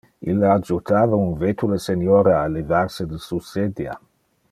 Ille adjutava un vetule seniora a levar se de su sedia.